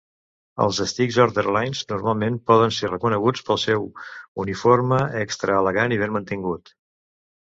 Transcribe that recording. Els "Stick Orderlies" normalment poden ser reconeguts pel seu uniforme extra elegant i ben mantingut.